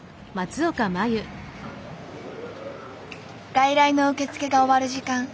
外来の受け付けが終わる時間。